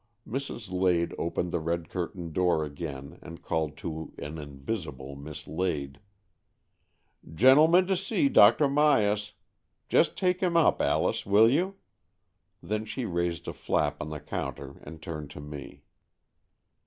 Mrs. Lade opened the red curtained door again and called to an invisible Miss Lade : "Gentleman to see Dr. Myas. Just take him up, Alice, will you ?" Then she raised a flap of the counter and turned to me.